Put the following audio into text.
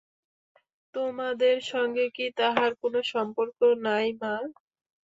তোমাদের সঙ্গে কি তাহার কোন সম্পর্ক নাই মা?